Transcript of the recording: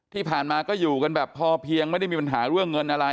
ที่ผ่านมาก็อยู่กันแบบพอเพียงไม่ได้มีปัญหาเรื่องเงินอะไร